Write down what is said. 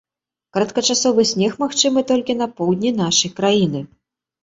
Кароткачасовы снег магчымы толькі на поўдні нашай краіны.